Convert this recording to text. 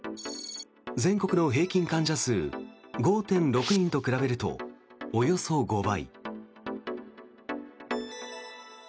全国の平均患者数５．６人と比べるとおよそ５倍。